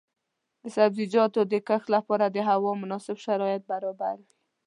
د سبزیجاتو د کښت لپاره د هوا مناسب شرایط باید وي.